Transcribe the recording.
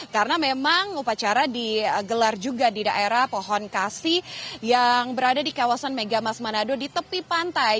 karena memang upacara digelar juga di daerah pohon kasi yang berada di kawasan megamas manado di tepi pantai